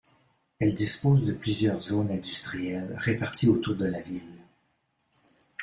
Elle dispose de plusieurs zones industrielles réparties autour de la ville.